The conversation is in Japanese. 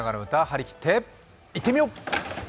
張り切っていってみよう！